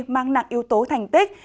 mang nặng yếu tố thành tích